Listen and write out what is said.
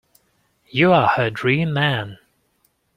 You are her dream man.